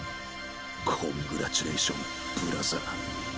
コングラチュレーションブラザー。